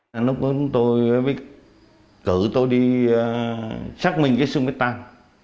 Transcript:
lúc đó tôi bị cử tôi đi xác minh cái xung mít tan